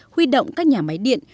huy động các nhà máy điện